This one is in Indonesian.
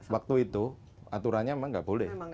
waktu itu aturannya memang nggak boleh